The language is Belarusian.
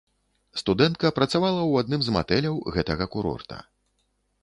Студэнтка працавала ў адным з матэляў гэтага курорта.